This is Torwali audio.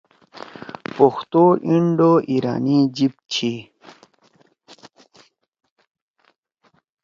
پختو انڈو ایرانی جیِب چھی۔